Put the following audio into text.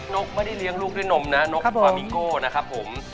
นกไม่ได้เลี้ยงลูกด้วยนมนะนกฟามิโก้นะครับผม